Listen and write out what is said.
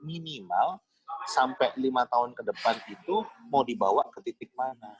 minimal sampai lima tahun ke depan itu mau dibawa ke titik mana